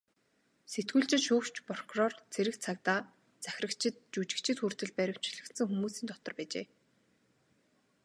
Сэтгүүлчид, шүүгч, прокурор, цэрэг цагдаа, захирагчид, жүжигчид хүртэл баривчлагдсан хүмүүсийн дотор байжээ.